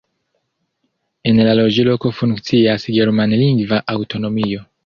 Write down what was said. En la loĝloko funkcias germanlingva aŭtonomio.